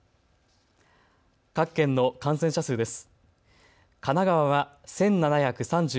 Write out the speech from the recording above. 各県の感染者数です。